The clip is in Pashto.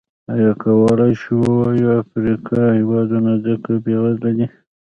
ایا کولای شو ووایو افریقايي هېوادونه ځکه بېوزله دي.